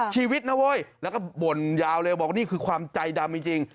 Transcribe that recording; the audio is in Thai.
ชีวิตนะเว้ยแล้วก็บ่นยาวเลยบอกนี่คือความใจดำจริง